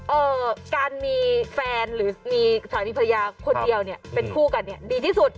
เออการมีแฟนหรือสายดีพริยาคนเดียวเป็นคู่กันดีที่สุดถูกไหม